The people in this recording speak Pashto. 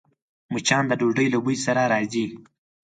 مچان د ډوډۍ له بوی سره راځي